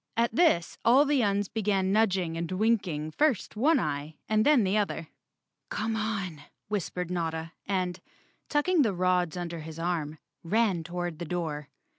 At this all the Uns began nudging and winking first one eye and then the other. "Come on," whispered Notta and, tucking the rods under his arm, ran toward the door.